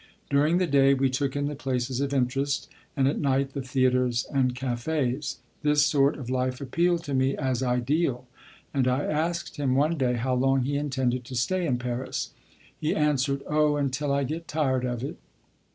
During the day we took in the places of interest, and at night the theatres and cafés. This sort of life appealed to me as ideal, and I asked him one day how long he intended to stay in Paris. He answered: "Oh, until I get tired of it."